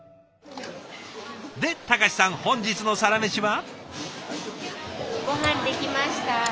で貴さん本日のサラメシは？